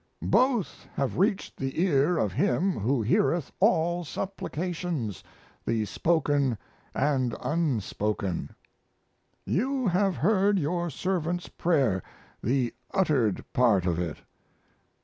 Both have reached the ear of Him who heareth all supplications, the spoken & the unspoken.... "You have heard your servant's prayer the uttered part of it.